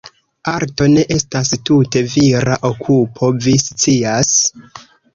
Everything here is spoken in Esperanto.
Arto ne estas tute vira okupo, vi scias.